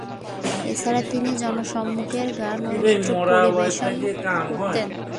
এছাড়া তিনি জনসম্মুখে গান ও নৃত্য পরিবেশন করতেন।